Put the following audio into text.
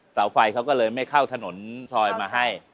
เสาไฟเขาก็เลยไม่เข้าถนนซอยมาให้